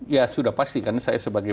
ya sudah pasti karena saya sebagai